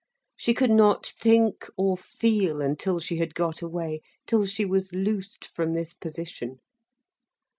She could not think or feel until she had got away, till she was loosed from this position.